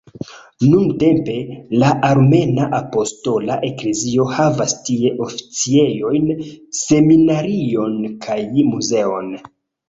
Nuntempe, la Armena Apostola Eklezio havas tie oficejojn, seminarion kaj muzeon.